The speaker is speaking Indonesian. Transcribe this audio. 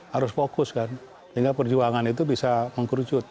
harus fokus kan sehingga perjuangan itu bisa mengkerucut